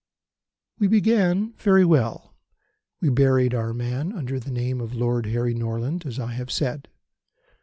"We began very well. We buried our man under the name of Lord Harry Norland, as I have said.